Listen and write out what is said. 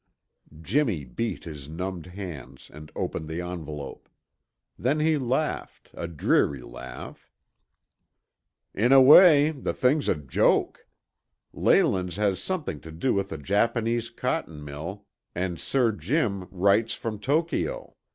Jimmy beat his numbed hands and opened the envelope. Then he laughed, a dreary laugh. "In a way, the thing's a joke! Leyland's has something to do with a Japanese cotton mill and Sir Jim writes from Tokio.